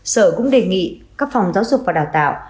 sở cũng đề nghị các phòng giáo dục và đào tạo